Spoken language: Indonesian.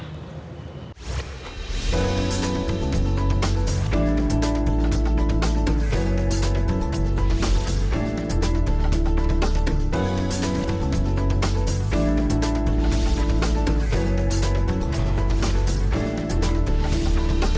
terima kasih terima kasih